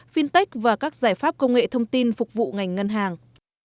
fintech và các giải pháp công nghệ thông tin phục vụ ngành ngân hàng